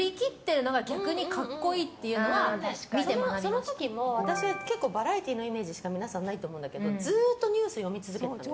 その時も私は結構バラエティーのイメージしか皆さんないと思うんだけどずっとニュース読み続けてたの。